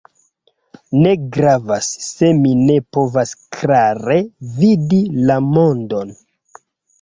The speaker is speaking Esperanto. Ne gravas se mi ne povas klare vidi la mondon.